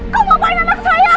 kau mau main anak saya